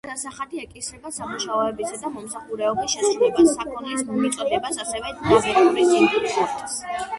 ეს გადასახადი ეკისრება სამუშაოებისა და მომსახურების შესრულებას, საქონლის მიწოდებას, ასევე დაბეგვრის იმპორტს.